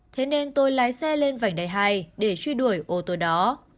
thế nên tôi lái xe lên vành đai hai để truy đuổi ô tô đó